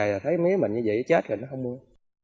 là thấy mía mình như vậy chết rồi nó không mua